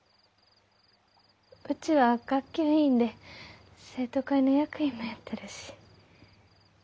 うちは学級委員で生徒会の役員もやってるし。